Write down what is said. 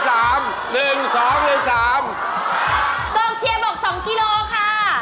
ตรงเชียบก๒กิโลค่ะ